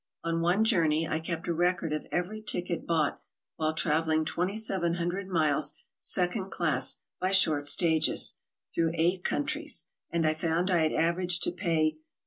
On one journey I kept a record of every ticket bought while traveling 2700 miles second class by short stages, through eight countries, and found I had aver aged to pay $0.